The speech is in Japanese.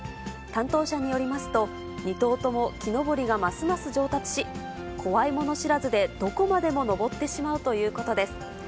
担当者によりますと、２頭とも木登りがますます上達し、怖いもの知らずで、どこまでも登ってしまうということです。